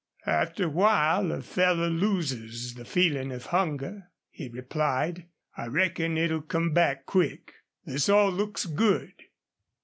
"After a while a fellow loses the feelin' of hunger," he replied. "I reckon it'll come back quick.... This all looks good."